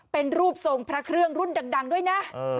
เป็นรูปทรงพระเครื่องรุ่นดังด้วยนะ